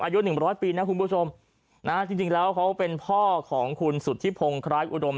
อายุหนึ่งร้อยปีนะคุณผู้ชมนะจริงแล้วเขาเป็นพ่อของคุณสุธิพงศ์คล้ายอุดม